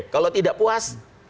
kalau tidak puas